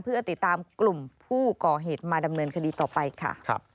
เพื่อติดตามกลุ่มผู้ก่อเหตุมาดำเนินคดีต่อไปค่ะ